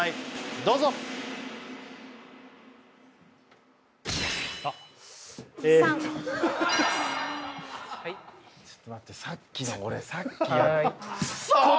どうぞ３ちょっと待ってさっきの俺さっきくそーっ